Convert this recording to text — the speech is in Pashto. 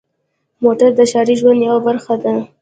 موټر د ښاري ژوند یوه برخه ده.